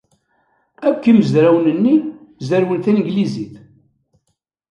Akk imezrawen-nni zerrwen tanglizit.